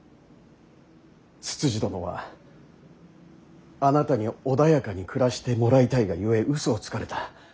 つつじ殿はあなたに穏やかに暮らしてもらいたいがゆえ嘘をつかれた。